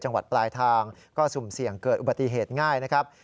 จังหวัดปลายทางก็สุ่มเสี่ยงเกิดอุบัติเหตุง่ายนะครับ